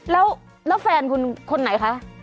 แล้วแฟนคุณคนไหนคะ